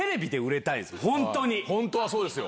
本当はそうですよ。